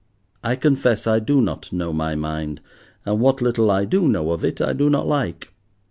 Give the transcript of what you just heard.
I confess I do not know my mind, and what little I do know of it I do not like.